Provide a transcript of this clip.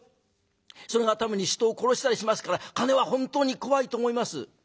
それがたまに人を殺したりしますから金は本当に怖いと思います」。